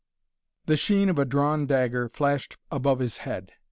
The sheen of a drawn dagger flashed above his head.